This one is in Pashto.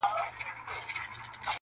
• ستا و ما لره بیا دار دی..